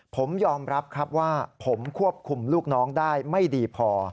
ผมยอมรับครับว่าผมควบคุมลูกน้องได้ไม่ดีพอ